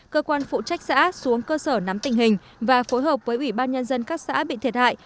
cơ quan phụ trách xã xuống cơ sở nắm tình hình và phối hợp với ủy ban nhân dân các xã bị thiệt hại